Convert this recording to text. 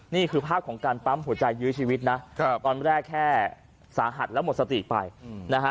นี่คือภาพของการปั๊มหัวใจยื้อชีวิตนะตอนแรกแค่สาหัสแล้วหมดสติไปนะฮะ